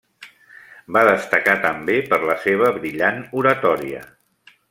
Va destacar també per la seva brillant oratòria.